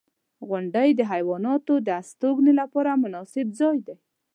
• غونډۍ د حیواناتو د استوګنې لپاره مناسب ځای دی.